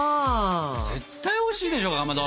絶対おいしいでしょかまど。